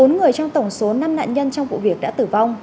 bốn người trong tổng số năm nạn nhân trong vụ việc đã tử vong